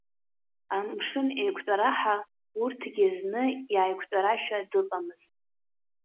Амшын еиқәтәараҳа, урҭгьы зны иааиқәтәарашәа дыҟамызт.